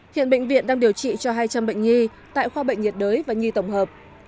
hiện bệnh viện đang điều trị cho hai trăm linh bệnh nhi tại khoa bệnh nhiệt đới và nhi tổng hợp